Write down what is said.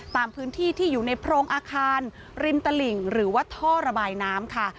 ตามพื้นที่ที่อยู่ในโพรงอาคารริมตลิ่งหรือว่าท่อระบายน้ำค่ะ